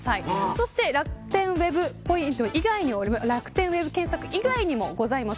そして楽天ウェブ検索以外にもございます。